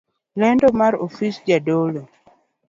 Lendo mar ofis jadolo